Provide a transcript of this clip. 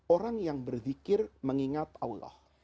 orang yang berzikir mengingat allah